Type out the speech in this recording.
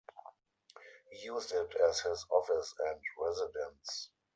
He used it as his office and residence.